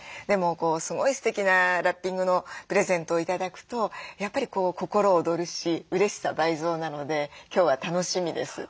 でもすごいすてきなラッピングのプレゼントを頂くとやっぱり心躍るしうれしさ倍増なので今日は楽しみです。